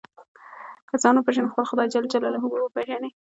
که ځان وپېژنې خپل خدای جل جلاله به وپېژنې.